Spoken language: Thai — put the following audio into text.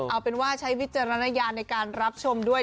เอาเป็นว่าใช้วิจารณญาณในการรับชมด้วย